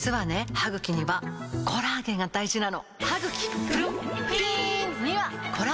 歯ぐきにはコラーゲンが大事なの！